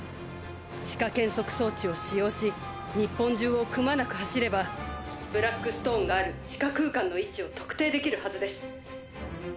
地下検測装置を使用し日本中をくまなく走ればブラックストーンがある地下空間の位置を特定できるはずです。